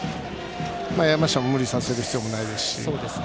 山下を無理させる必要もないですし。